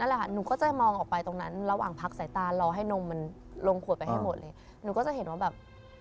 หนูก็จะเห็นว่าแบบ